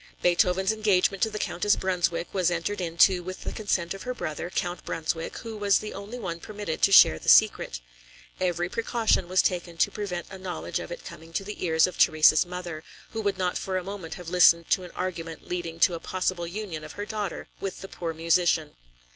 Beethoven's engagement to the Countess Brunswick was entered into with the consent of her brother. Count Brunswick, who was the only one permitted to share the secret. Every precaution was taken to prevent a knowledge of it coming to the ears of Therese's mother, who would not for a moment have listened to an argument leading to a possible union of her daughter with the poor musician.